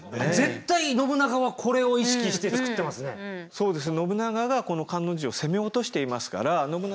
そうですね